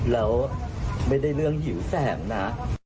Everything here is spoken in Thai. แล้วไม่ได้เรื่องหิวแสงนะ